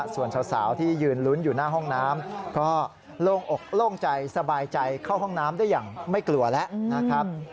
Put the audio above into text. ส่วนสาวที่ยืนลุ้นอยู่หน้าห้องน้ำก็โล่งอกโล่งใจสบายใจเข้าห้องน้ำได้อย่างไม่กลัวแล้วนะครับ